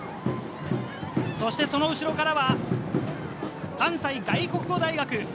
その後からは関西外国語大学。